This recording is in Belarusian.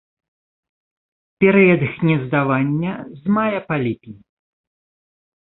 Перыяд гнездавання з мая па ліпень.